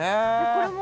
これも。